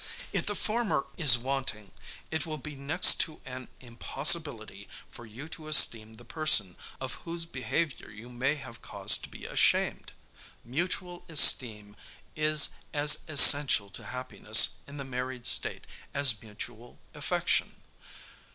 If the former is wanting, it will be next to an impossibility for you to esteem the person, of whose behavior you may have cause to be ashamed. Mutual esteem is as essential to happiness in the married state, as mutual affection.